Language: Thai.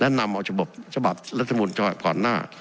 และนำออกฉบับฉบับรัฐธรรมนุนก่อนหน้า